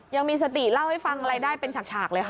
ยังมีสติเล่าให้ฟังรายได้เป็นฉากเลยค่ะ